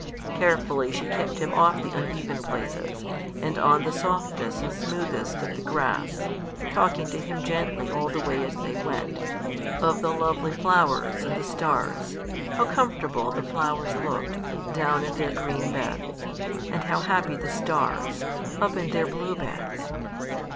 Carefully she kept him off the uneven places, and on the softest and smoothest of the grass, talking to him gently all the way as they went of the lovely flowers and the stars how comfortable the flowers looked, down in their green beds, and how happy the stars, up in their blue beds!